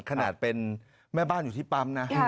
ขนาดเป็นแม่บ้านอยู่ที่ปั๊มนะ